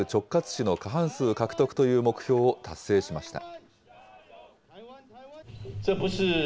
市の過半数獲得という目標を達成しました。